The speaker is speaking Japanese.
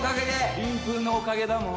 りんぷんのおかげだもん。